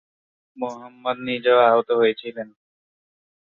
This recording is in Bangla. মুহাম্মাদ নিজেও আহত হয়েছিলেন।